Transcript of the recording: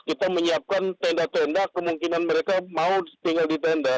kita menyiapkan tenda tenda kemungkinan mereka mau tinggal di tenda